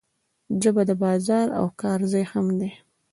ژبه د بازار او کار ځای هم ده.